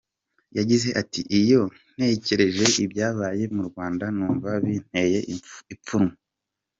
Yagize ati “ Iyo ntekereje ibyabaye mu Rwanda numva binteye ipfunwe.